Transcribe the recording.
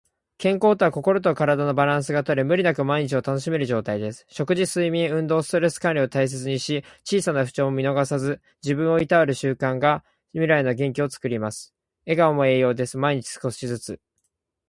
健康とは、心と体のバランスがとれ、無理なく毎日を楽しめる状態です。食事、睡眠、運動、ストレス管理を大切にし、小さな不調も見逃さず、自分をいたわる習慣が未来の元気をつくります。笑顔も栄養です。毎日少しずつ。